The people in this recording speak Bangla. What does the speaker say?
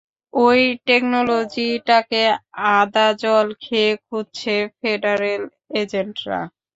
ঐ টেকনোলজিটাকে আদা-জল খেয়ে খুঁজছে ফেডারেল এজেন্টরা।